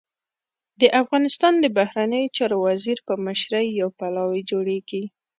د افغانستان د بهرنیو چارو وزیر په مشرۍ يو پلاوی جوړېږي.